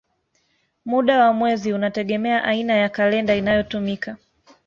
Muda wa mwezi unategemea aina ya kalenda inayotumika.